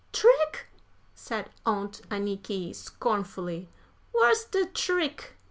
"Trick!" said Aunt Anniky, scornfully, "whar's de trick?